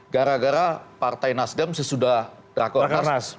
gara gara partai nasdem sesudah rakyat nas